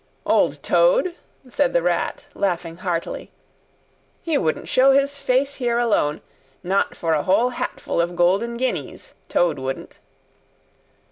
"Old Toad?" said the Rat, laughing heartily. "He wouldn't show his face here alone, not for a whole hatful of golden guineas, Toad wouldn't."